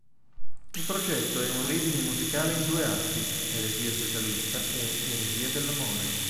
Il progetto è un reading musicale in due atti: "Eresia socialista" e "Eresia dell'amore".